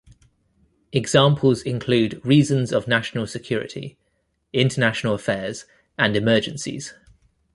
Examples include reasons of national security, international affairs, and emergencies.